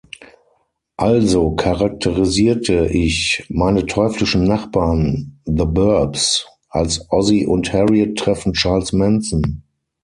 Also charakterisierte ich „Meine teuflischen Nachbarn (The ‚Burbs)“ als „Ozzie und Harriet treffen Charles Manson“.